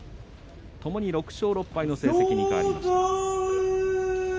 ともに６勝６敗の成績に変わりました。